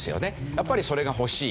やっぱりそれが欲しい。